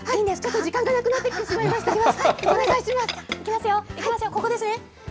ちょっと時間がなくなってきてしまいました。